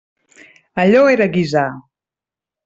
Allò era guisar.